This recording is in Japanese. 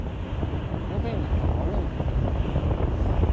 ムキになったら悪いのかよ？